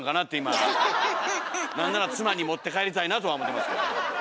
なんなら妻に持って帰りたいなとは思ってますけど。